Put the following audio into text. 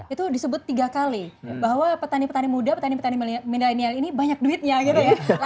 itu disebut tiga kali bahwa petani petani muda petani petani milenial ini banyak duitnya gitu ya